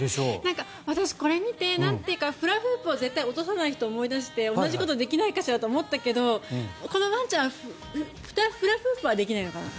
私これ見て、フラフープを絶対落とさない人を思い出して同じことできないかなと思ったんですがこのワンちゃんはフラフープはできないのかな？